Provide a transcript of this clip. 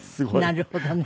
なるほどね。